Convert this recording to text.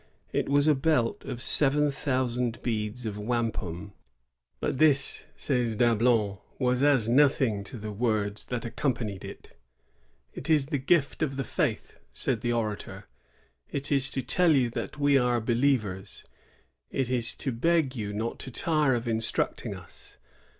It was a belt of seven thou sand beads of wampum. "But this," says Dablon, "was as nothing to the words that accompanied it." " It is the gift of the faith, " said the orator. " It is to tell you that we are believers ; it is to beg you not to tire of instructing us.